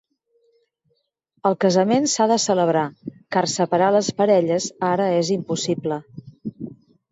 El casament s'ha de celebrar, car separar les parelles ara és impossible.